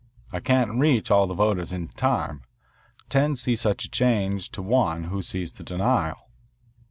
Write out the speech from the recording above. I can't reach all the voters in time. Ten see such a charge to one who sees the denial."